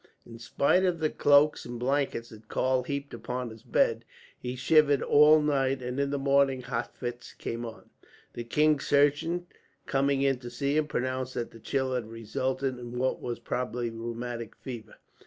In spite of the cloaks and blankets that Karl heaped upon his bed, he shivered all night, and in the morning hot fits came on. The king's surgeon, coming in to see him, pronounced that the chill had resulted in what was probably rheumatic fever.